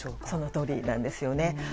そのとおりなんですよね。